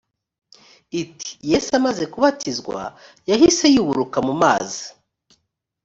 iti yesu amaze kubatizwa yahise yuburuka mu mazi